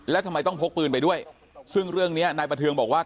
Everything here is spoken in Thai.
แล้วทำไมต้องพกปืนไปด้วยซึ่งเรื่องนี้นายประเทืองบอกว่า